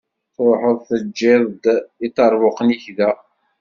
Truḥeḍ teǧǧiḍ-d iṭerbuqen-ik da.